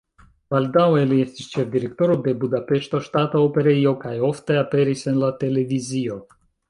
Baldaŭe li estis ĉefdirektoro de Budapeŝta Ŝtata Operejo kaj ofte aperis en la televizio.